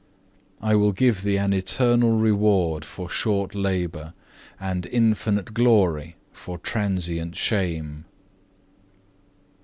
I will give thee an eternal reward for short labour, and infinite glory for transient shame.